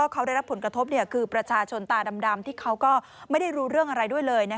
เขาได้รับผลกระทบคือประชาชนตาดำที่เขาก็ไม่ได้รู้เรื่องอะไรด้วยเลย